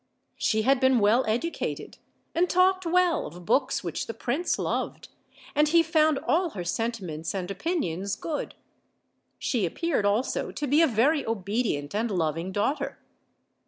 She had been well educated, and talked well of books which the prince loved, and he found all her senti ment* and opinions good. She appeared also to be a very obedient and loving daughter.